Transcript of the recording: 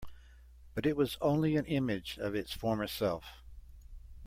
But it was only an image of its former self.